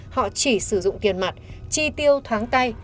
họ chỉ sử dụng tiền mặt chi tiêu thoáng tay